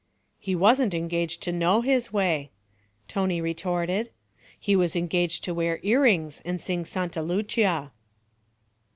'He wasn't engaged to know his way,' Tony retorted. 'He was engaged to wear earrings and sing Santa Lucia.'